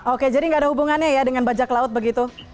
oke jadi nggak ada hubungannya ya dengan bajak laut begitu